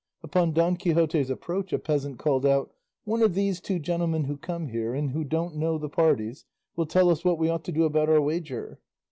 Upon Don Quixote's approach a peasant called out, "One of these two gentlemen who come here, and who don't know the parties, will tell us what we ought to do about our wager."